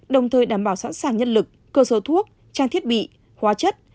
đồng thời đảm bảo sẵn sàng nhân lực cơ sở thuốc trang thiết bị hóa chất